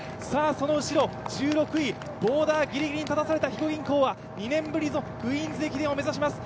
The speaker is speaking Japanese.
その後ろ、１６位、ボーダーぎりぎりに立たされた肥後銀行は２年ぶりのクイーンズ駅伝を目指します。